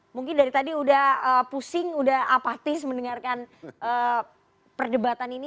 mungkin dari tadi udah pusing udah apatis mendengarkan perdebatan ini